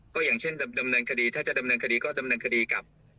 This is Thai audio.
ก็อย่างเช่นดำแบบดำแบบคดีถ้าจะดำแบบคดีก็ดำแบบคดีกับ